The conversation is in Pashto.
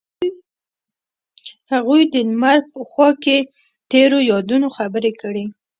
هغوی د لمر په خوا کې تیرو یادونو خبرې کړې.